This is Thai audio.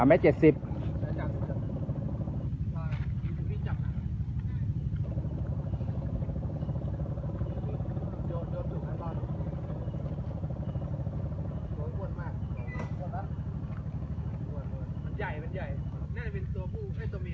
มันใหญ่มันใหญ่นั่นจะเป็นเอ้ยตัวเมียน่ะ